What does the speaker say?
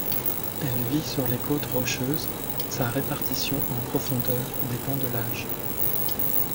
Elle vit sur les côtes rocheuses, sa répartition en profondeur dépend de l'âge.